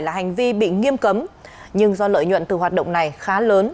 là hành vi bị nghiêm cấm nhưng do lợi nhuận từ hoạt động này khá lớn